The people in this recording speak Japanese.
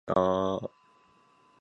どうも腹が空いた